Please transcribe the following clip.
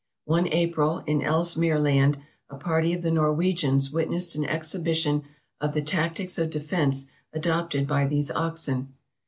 One April, in Ellesmere Land, a party of the Norwegians wit nessed an exhibition of the tactics of defence adopted by these oxen.